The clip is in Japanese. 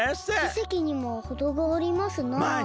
きせきにもほどがありますな。